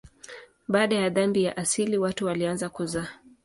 Baada ya dhambi ya asili watu walianza kuzaa.